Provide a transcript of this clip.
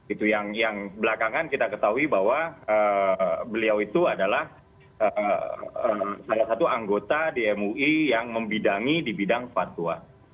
itu yang belakangan kita ketahui bahwa beliau itu adalah salah satu anggota di mui yang membidangi di bidang fatwa